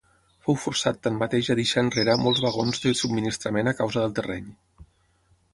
Fou forçat tanmateix a deixar enrere molts vagons de subministrament a causa del terreny.